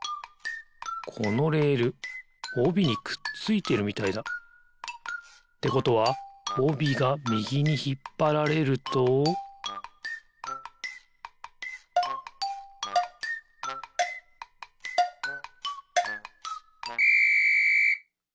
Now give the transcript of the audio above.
このレールおびにくっついてるみたいだ。ってことはおびがみぎにひっぱられるとピッ！